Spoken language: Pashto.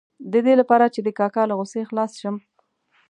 د دې لپاره چې د کاکا له غوسې خلاص شم.